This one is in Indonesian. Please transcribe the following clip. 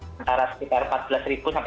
biasa sekitar empat belas sampai delapan belas